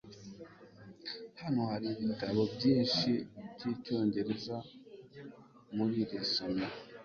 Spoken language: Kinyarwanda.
hano hari ibitabo byinshi byicyongereza muri iri somero